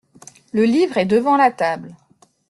Le livre est devant la table.